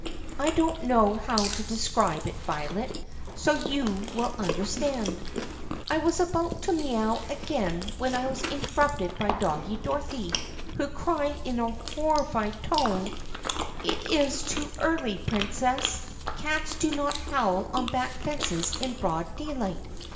I don't know how to describe it, Violet, so that you will understand. "I was about to mee ow again when I was interrupted by Doggie Dorothy, who cried, in a horrified tone : 'It is too early, THE PUSSYCAT PRINCESS 21 Princess! Cats do not howl on back fences in broad daylight.